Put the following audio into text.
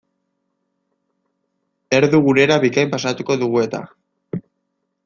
Erdu gurera bikain pasatuko dugu eta.